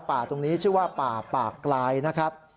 ป่าตรงนี้ชื่อว่าป่าปากกลายนะครับ